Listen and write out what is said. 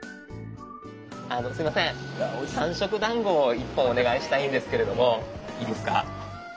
あのすいません三色団子を１本お願いしたいんですけれどもいいですか。